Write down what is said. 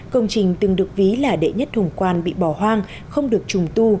công trình từng được ví là đệ nhất hùng quan bị bỏ hoang không được trùng tu